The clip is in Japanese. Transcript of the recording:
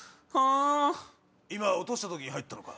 今落とした時に入ったのか？